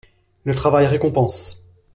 Le travail récompense.